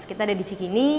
kita ada di cikini